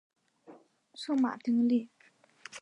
圣马丁利。